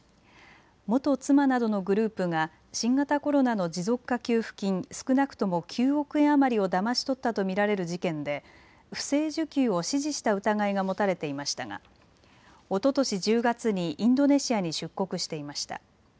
元妻などのグループが新型コロナの持続化給付金、少なくとも９億円余りをだまし取ったと見られる事件で不正受給を指示した疑いが持たれていましたがおととし１０月にインドネシアに出国していました。